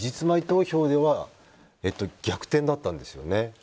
期日前投票では逆転だったんですよね。